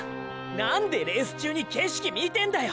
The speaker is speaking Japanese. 何でレース中に景色見てんだよ！！